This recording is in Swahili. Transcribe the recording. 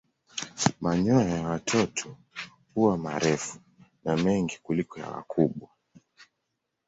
Manyoya ya watoto huwa marefu na mengi kuliko ya wakubwa.